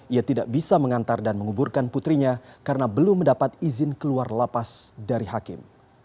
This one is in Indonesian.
ia tidak bisa mengantar dan menguburkan putrinya karena belum mendapat izin keluar lapas dari hakim